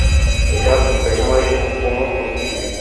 এটা বেসামরিক কোন পোস্টিং নয়।